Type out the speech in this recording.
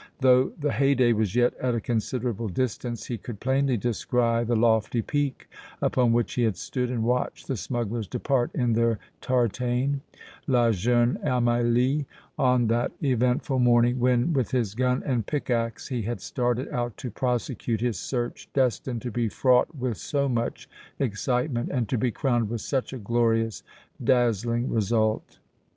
Though the Haydée was yet at a considerable distance he could plainly descry the lofty peak upon which he had stood and watched the smugglers depart in their tartane, La Jeune Amélie, on that eventful morning when, with his gun and pickaxe, he had started out to prosecute his search destined to be fraught with so much excitement and to be crowned with such a glorious, dazzling result.